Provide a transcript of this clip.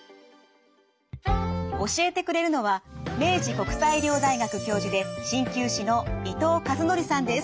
教えてくれるのは明治国際医療大学教授で鍼灸師の伊藤和憲さんです。